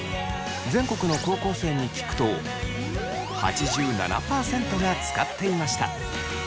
全国の高校生に聞くと８７％が使っていました。